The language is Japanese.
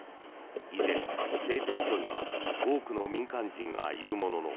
依然、製鉄所には多くの民間人がいるものの